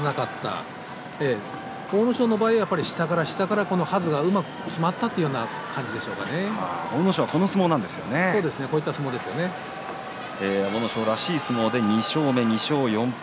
阿武咲の場合は下から下からはずがうまくきまったという阿武咲はそうですね阿武咲らしい相撲で２勝４敗。